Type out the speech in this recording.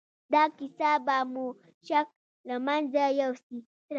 دا کيسه به مو شک له منځه يوسي.